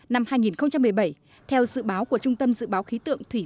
năm hai nghìn một mươi bảy theo dự báo của trung tâm dự báo khí tượng thủy